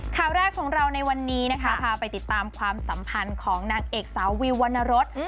ข่าวแรกของเราในวันนี้นะคะพาไปติดตามความสัมพันธ์ของนางเอกสาววิววรรณรส